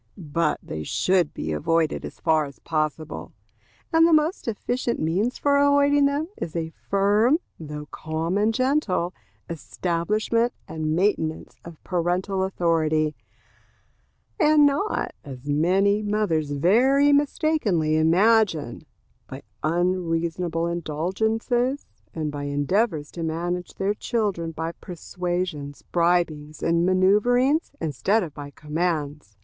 But they should be avoided as far as possible; and the most efficient means for avoiding them is a firm, though calm and gentle, establishment and maintenance of parental authority, and not, as many mothers very mistakingly imagine, by unreasonable indulgences, and by endeavors to manage their children by persuasions, bribings, and manoeuvrings, instead of by commands.